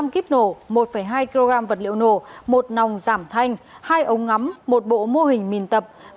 một mươi kíp nổ một hai kg vật liệu nổ một nòng giảm thanh hai ống ngắm một bộ mô hình mìn tập